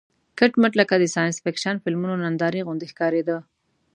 کټ مټ لکه د ساینس فېکشن فلمونو نندارې غوندې ښکارېده.